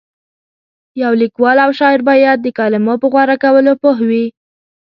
یو لیکوال او شاعر باید د کلمو په غوره کولو پوه وي.